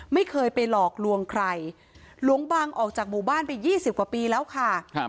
ไม่เคยไปหลอกลวงใครหลวงบังออกจากหมู่บ้านไป๒๐กว่าปีแล้วค่ะ